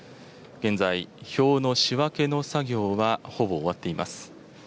現在、票の仕分けの作業はほぼ終わっています。